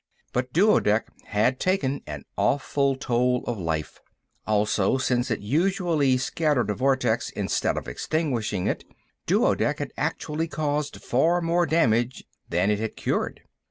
But duodec had taken an awful toll of life. Also, since it usually scattered a vortex instead of extinguishing it, duodec had actually caused far more damage than it had cured.